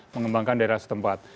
mengembangkan daerah setempat